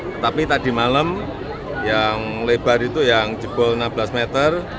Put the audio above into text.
tetapi tadi malam yang lebar itu yang jebol enam belas meter